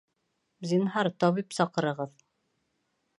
Зинһар, табип саҡырығыҙ!